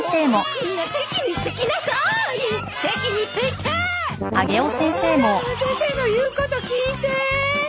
みんな先生の言うこと聞いてー。